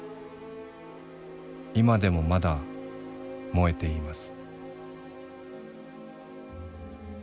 今でもまだ燃えてゐます」。